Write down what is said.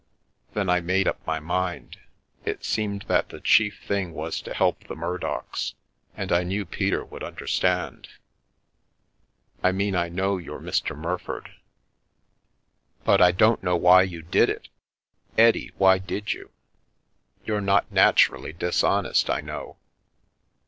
Then I made up my mind. It seemed that the chief thing was to help the Murdocks, and I knew Peter would understand. " I mean that I know you're ' Mr. Murford/ But I 131 The Milky Way don't know why you did it. Eddie, why did you? You're not naturally dishonest, I know.